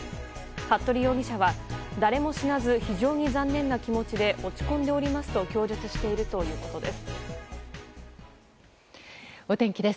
服部容疑者は誰も死なず非常に残念な気持ちで落ち込んでおりますと供述しているということです。